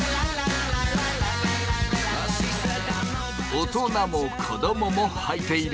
大人も子供もはいている